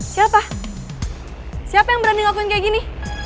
siapa siapa yang berani ngakuin kayak gini